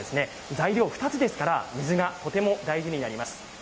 材料２つですから水がとても大事になります。